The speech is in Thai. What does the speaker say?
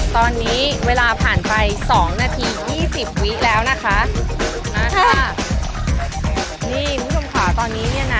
ตอนนี้เวลาผ่านไปสองนาทียี่สิบวิแล้วนะคะมาค่ะนี่คุณผู้ชมค่ะตอนนี้เนี่ยนะ